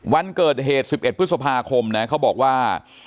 วันเกิดเหตุ๑๑พฤษภาคมนะเขาบอกว่า